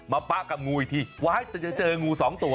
ป๊ะกับงูอีกทีว้ายแต่จะเจองูสองตัว